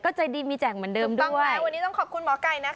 ใจดีมีแจ่งเหมือนเดิมถูกต้องไหมวันนี้ต้องขอบคุณหมอไก่นะคะ